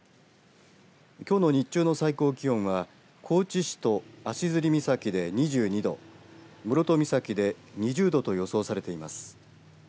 きょうの日中の最高気温は高知市と足摺岬で２２度室戸岬で２０度と予想されています。